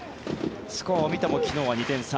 スコアを見ても昨日は２点差